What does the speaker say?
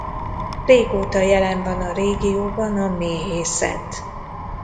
Régóta jelen van a régióban a méhészet.